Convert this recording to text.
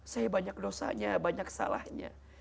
saya banyak dosanya banyak salahnya